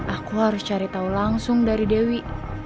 aku harus cari tahu langsung dari dewi